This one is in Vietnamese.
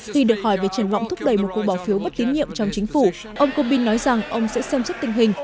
khi được hỏi về trình bỏng thúc đẩy một cuộc bỏ phiếu bất tín nhiệm trong chính phủ ông corbyn nói rằng ông sẽ xem sức tình hình